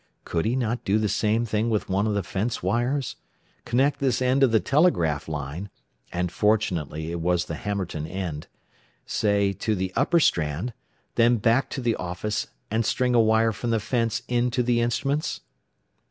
Could he not do the same thing with one of the fence wires? Connect this end of the telegraph line (and fortunately it was the Hammerton end), say to the upper strand, then run back to the office and string a wire from the fence in to the instruments?